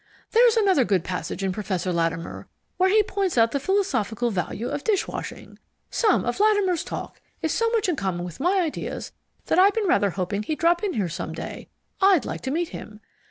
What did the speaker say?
... There's another good passage in Professor Latimer, where he points out the philosophical value of dishwashing. Some of Latimer's talk is so much in common with my ideas that I've been rather hoping he'd drop in here some day. I'd like to meet him.